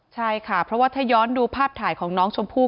ใช่ค่ะเพราะว่าถ้าย้อนดูภาพถ่ายของน้องชมพู่